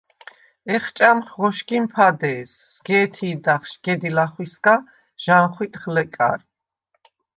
ეხჭამხ ღოშგიმ ფადე̄ს, სგ’ე̄თი̄დახ შგედი ლახვისგა, ჟანხვიტხ ლეკარ.